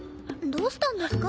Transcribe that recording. どうしたんですか？